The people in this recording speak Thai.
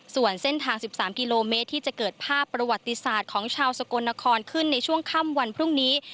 ส่วนเส้นทาง๑๓กิโลเมตรที่จะเกิดภาพประวัติศาสตร์ของชาวสกลนครขึ้นในช่วงค่ำวันพรุ่งนี้